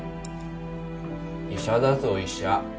医者だぞ医者。